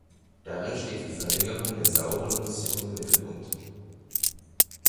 Darin steht die Verringerung der sauren Emissionen im Mittelpunkt.